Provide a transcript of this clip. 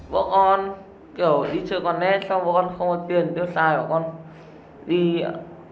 bọn con kiểu đi chơi con nét xong bọn con không có tiền tiêu xài bọn con đi ạ